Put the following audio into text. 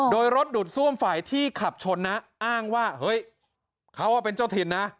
โดยรถดูดซ่วมฝ่ายที่ขับชนนะอ้างว่าเฮ้ยเขาเป็นเจ้าถิ่นนะ